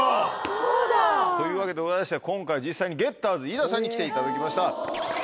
そうだ！というわけでございまして今回実際にゲッターズ飯田さんに来ていただきました。